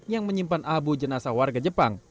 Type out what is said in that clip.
yang menyimpan abu jenazah warga jepang